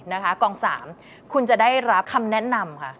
นะคะกอง๓คุณจะได้รับคำแนะนำค่ะ